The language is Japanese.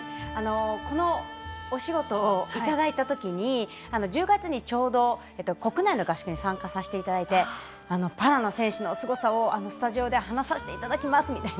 このお仕事をいただいたときに１０月にちょうど国内の合宿に参加させていただいてパラの選手のすごさをスタジオで話させていただきます